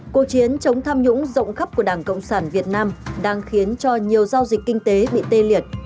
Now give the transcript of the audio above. cuộc chiến chống tham nhũng rộng khắp của đảng cộng sản việt nam đang khiến cho nhiều giao dịch kinh tế bị tê liệt